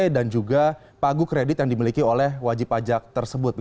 dan juga pagu kredit yang dimiliki oleh wajib pajak tersebut